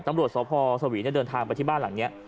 ตำรวจสพสวีเดินทางไปที่บ้านหลังนี้